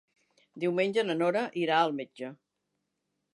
Diumenge na Nora irà al metge.